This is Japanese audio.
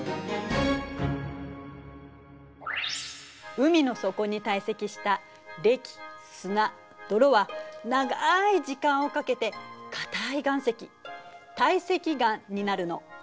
海の底に堆積したれき砂泥は長い時間をかけて硬い岩石堆積岩になるの。